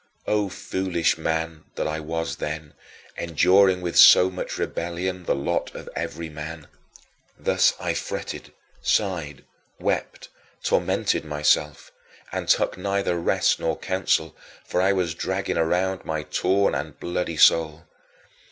O foolish man that I was then, enduring with so much rebellion the lot of every man! Thus I fretted, sighed, wept, tormented myself, and took neither rest nor counsel, for I was dragging around my torn and bloody soul.